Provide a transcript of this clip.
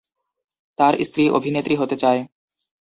তার স্ত্রী অভিনেত্রী হতে চায়।